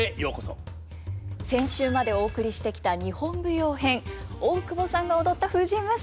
先週までお送りしてきた日本舞踊編大久保さんが踊った「藤娘」